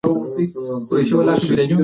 د خوراک پر مهال اوبه لږ ورکړئ.